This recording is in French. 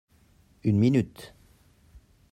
Une minute.